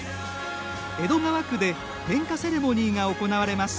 江戸川区で点火セレモニーが行われます。